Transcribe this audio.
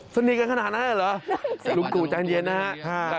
สนิกกันขนาดนั้นหรือลุงตูแจ้งเย็นฮะ